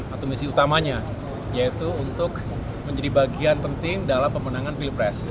atau misi utamanya yaitu untuk menjadi bagian penting dalam pemenangan pilpres